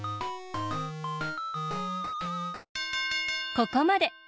ここまで。